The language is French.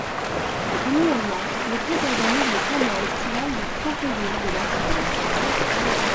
Annuellement, le club organise le tournoi estival dit Trophée Ville de Barcelone.